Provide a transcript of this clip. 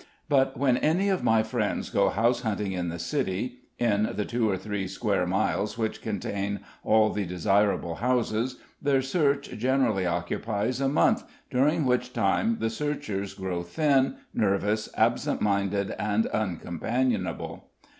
But when any of my friends go house hunting in the city, in the two or three square miles which contain all the desirable houses, their search generally occupies a month, during which time the searchers grow thin, nervous, absent minded, and uncompanionable.